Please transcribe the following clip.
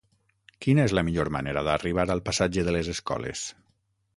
Quina és la millor manera d'arribar al passatge de les Escoles?